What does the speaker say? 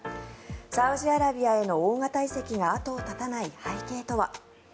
サウジアラビアへの大型移籍が後を絶たない背景とは。